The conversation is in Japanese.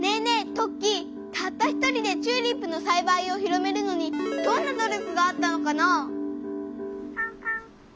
トッキーたった１人でチューリップのさいばいを広めるのにどんな努力があったのかな？